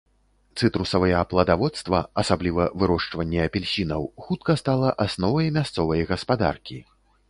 Цытрусавыя пладаводства, асабліва вырошчванне апельсінаў, хутка стала асновай мясцовай гаспадаркі.